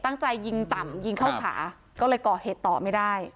ตั้งใจยิงต่ำยิงเข้าขาก็เลยก่อเหตุต่อไม่ได้